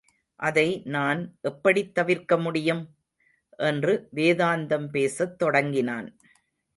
அதை நான் எப்படித் தவிர்க்கமுடியும்? என்று வேதாந்தம் பேசத் தொடங்கினான்.